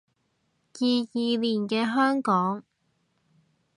二二年嘅香港